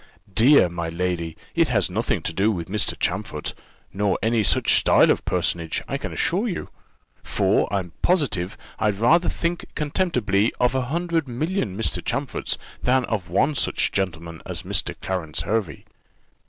"Dear! my lady, it has nothing to do with Mr. Champfort, nor any such style of personage, I can assure you; for, I'm positive, I'd rather think contemptibly of a hundred million Mr. Champforts than of one such gentleman as Mr. Clarence Hervey."